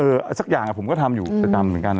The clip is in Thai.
เออสักอย่างนะผมก็ทำอยู่เหมือนกัน